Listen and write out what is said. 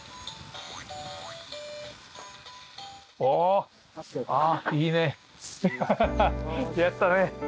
おあいいね。